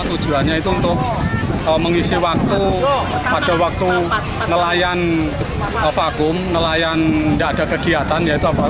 tujuannya itu untuk mengisi waktu pada waktu nelayan vakum nelayan tidak ada kegiatan yaitu apa